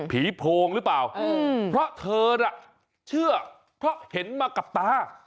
โพรงหรือเปล่าเพราะเธอน่ะเชื่อเพราะเห็นมากับตา